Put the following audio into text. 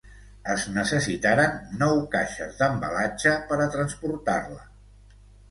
Es necessitaren nou caixes d'embalatge per a transportar-la.